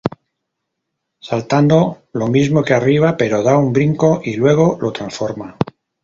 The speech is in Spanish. Saltando: Lo mismo que arriba pero da un brinco y luego lo transforma.